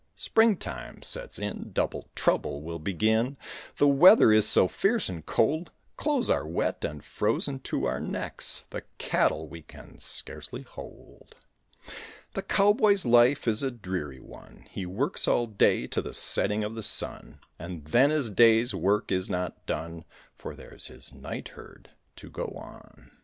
Spring time sets in, double trouble will begin, The weather is so fierce and cold; Clothes are wet and frozen to our necks, The cattle we can scarcely hold. The cowboy's life is a dreary one, He works all day to the setting of the sun; And then his day's work is not done, For there's his night herd to go on.